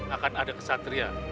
akan ada kesatria